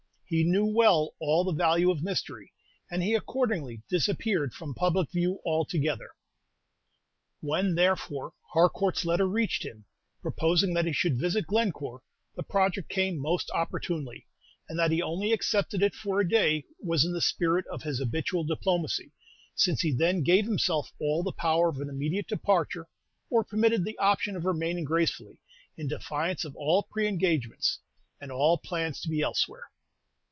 He knew well all the value of mystery, and he accordingly disappeared from public view altogether. When, therefore, Harcourt's letter reached him, proposing that he should visit Glencore, the project came most opportunely; and that he only accepted it for a day, was in the spirit of his habitual diplomacy, since he then gave himself all the power of an immediate departure, or permitted the option of remaining gracefully, in defiance of all pre engage ments, and all plans to be elsewhere.